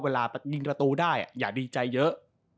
เวลายิงประตูได้อย่าดีใจเยอะ